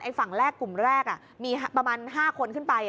ฝั่งแรกกลุ่มแรกมีประมาณ๕คนขึ้นไป